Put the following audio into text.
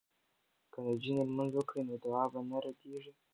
که نجونې لمونځ وکړي نو دعا به نه ردیږي.